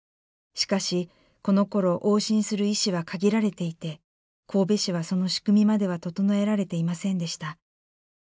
しかしこのころ往診する医師は限られていて神戸市はその仕組みまでは整えられていませんでした。